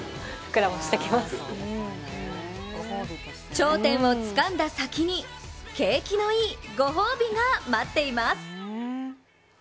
頂点をつかんだ先に景気のいいご褒美が待っています。